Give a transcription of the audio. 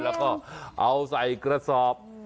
แล้วก็เอาใส่กระสอบ